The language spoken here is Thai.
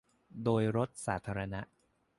โดยรถสาธารณะ